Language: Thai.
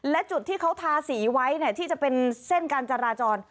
และจุดที่เขาทาสีไว้ที่จะเป็นเส้นการจราจร